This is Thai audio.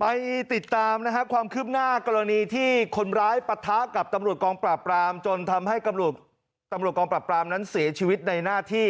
ไปติดตามนะครับความคืบหน้ากรณีที่คนร้ายปะทะกับตำรวจกองปราบปรามจนทำให้ตำรวจกองปราบปรามนั้นเสียชีวิตในหน้าที่